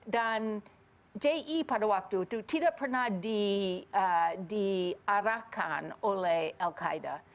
dan je pada waktu itu tidak pernah diarahkan oleh al qaeda